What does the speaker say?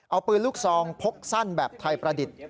เอาปืนลูกซองพกสั้นแบบไทยประดิษฐ์